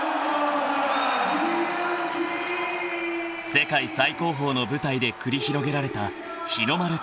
［世界最高峰の舞台で繰り広げられた日の丸対決］